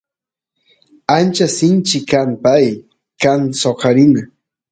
ancha sinchi kan pay kan soqarina